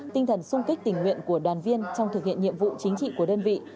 tinh thần sung kích tình nguyện của đoàn viên trong thực hiện nhiệm vụ chính trị của đơn vị